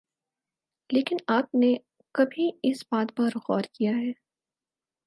لیکن آپ نے کبھی اس بات پر غور کیا ہے